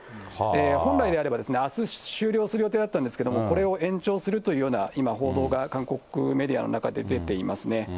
本来ならばあす終了する予定だったんですけど、これを延長するというような、今報道が、韓国メディアの中で出ていますね。